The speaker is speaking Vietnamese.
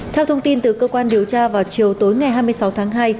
theo thông tin từ cơ quan điều tra vào chiều tối ngày hai mươi sáu tháng hai